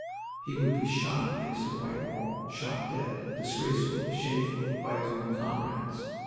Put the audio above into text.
He would be shot against a white wall. Shot dead, disgracefully, shamefully, by his own comrades!